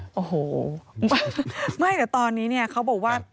โอ้โหไม่แต่ตอนนี้เนี่ยเขาบอกว่า